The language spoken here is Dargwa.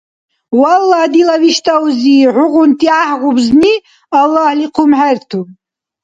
Валлагь, дила виштӀал узи, хӀугъунти гӀяхӀгъубзни Аллагьли хъумхӀерту.